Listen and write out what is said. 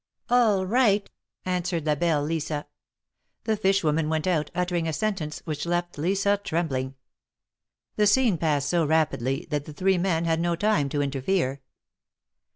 "All right !" answered la belle Lisa. The fish woman went out, uttering a sentence which left Lisa trembling. The scene passed so rapidly that the three men had no time to interfere.